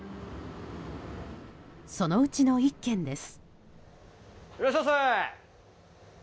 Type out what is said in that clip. そのうちの１軒です。